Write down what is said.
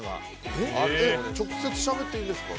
直接しゃべっていいんですか？